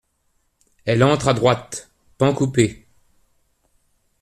Elle entre à droite, pan coupé.